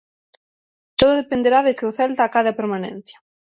Todo dependerá de que o Celta acade a permanencia.